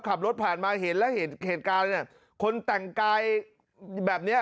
ขับรถผ่านมาเห็นแล้วเห็นเหตุการณ์เนี่ยคนแต่งกายแบบเนี้ย